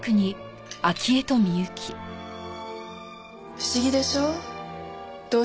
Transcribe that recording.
不思議でしょう？